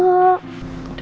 udah taruh sini aja